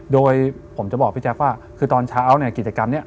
โดยผมจะบอกพี่แจ๊คว่าคือตอนเช้าเนี่ยกิจกรรมนี้